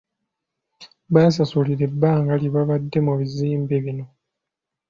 Basasulire ebbanga lye babadde mu bizimbe bino.